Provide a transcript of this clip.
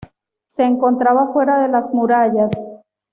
Se encontraba fuera de las murallas.